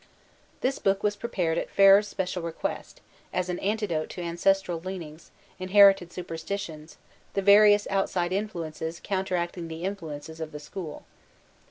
This book was prepared at Ferrer's special request, as an antidote to ancestral leanings, inherited superstitions, the various outside influences counteracting the influences of the school.